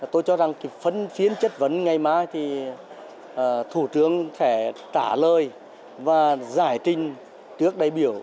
tôi cho rằng phấn phiên chất vấn ngày mai thì thủ tướng sẽ trả lời và giải trình trước đại biểu